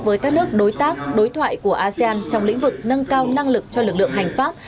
với các nước đối tác đối thoại của asean trong lĩnh vực nâng cao năng lực cho lực lượng hành pháp